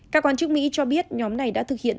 các quan chức mỹ cho biết nhóm này đã thực hiện